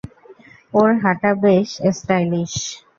ওর হাঁটা বেশ স্টাইলিশ।